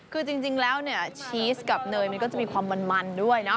คือจริงแล้วเนี่ยชีสกับเนยมันก็จะมีความมันด้วยเนาะ